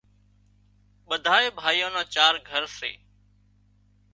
ٻڌائي ڀائيان نا چار گھر سي